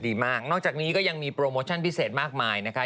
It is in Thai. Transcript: ดีมากนอกจากนี้ก็ยังมีโปรโมชั่นพิเศษมากมายนะคะ